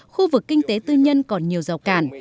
khu vực kinh tế tư nhân còn nhiều rào cản